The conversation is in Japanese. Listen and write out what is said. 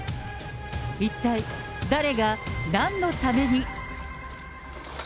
一体、だれがなんのために。